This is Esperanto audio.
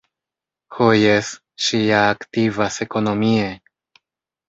Ho jes, ŝi ja aktivas ekonomie!